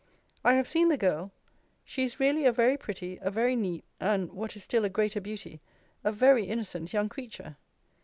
I have seen the girl. She is really a very pretty, a very neat, and, what is still a greater beauty, a very innocent young creature.